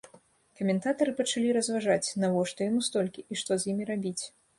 Каментатары пачалі разважаць, навошта яму столькі і што з імі рабіць.